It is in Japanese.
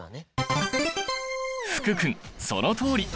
福君そのとおり！